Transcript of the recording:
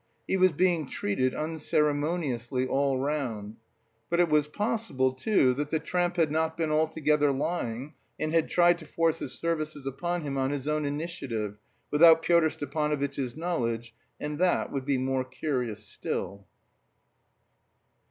He was being treated unceremoniously all round. But it was possible, too, that the tramp had not been altogether lying, and had tried to force his services upon him on his own initiative, without Pyotr Stepanovitch's knowledge, and that would be more curious still.